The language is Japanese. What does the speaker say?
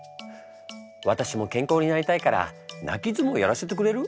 私も健康になりたいから泣き相撲やらせてくれる？